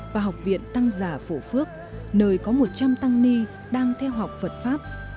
và học viện tăng giả phổ phước nơi có một trăm linh tăng ni đang theo học phật pháp